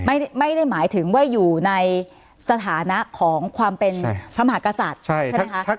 ไม่ได้หมายถึงว่าอยู่ในสถานะของความเป็นพระมหากษัตริย์ใช่ไหมคะ